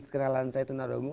kekenalan saya tuna rungu